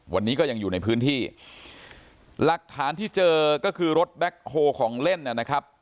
วันนี้ก็ยังอยู่ในพื้นที่หลักฐานที่เจอก็คือรถแบ็คโฮของเล่นนะครับ